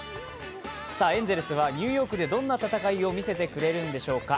エンゼルスはニューヨークでどんな戦いを見せてくれるんでしょうか。